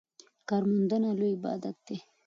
کارموندنه لوی عبادت دی.